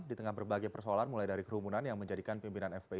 di tengah berbagai persoalan mulai dari kerumunan yang menjadikan pimpinan fpi